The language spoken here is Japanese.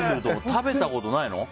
食べたことないの？